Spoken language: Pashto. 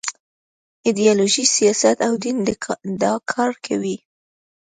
ایډیالوژي، سیاست او دین دا کار کوي.